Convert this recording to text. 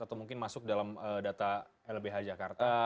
atau mungkin masuk dalam data lbh jakarta